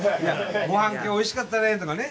「ごはん今日おいしかったね」とかね。